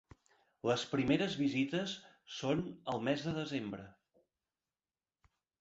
Les primeres visites són el mes de desembre.